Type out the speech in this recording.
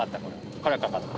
これかかった。